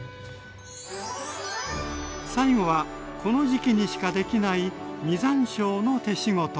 最後はこの時季にしかできない実山椒の手仕事。